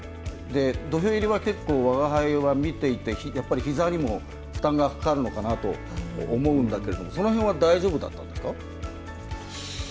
土俵入りは、結構、わがはいも見ていてやっぱりひざにも負担がかかるのかなと思うんだけどもその辺は大丈夫だったんですか。